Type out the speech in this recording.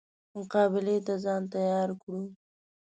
مقابلې ته ځان تیار کړو.